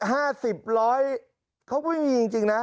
ไอ้๕๐ร้อยเขาไม่มีจริงนะ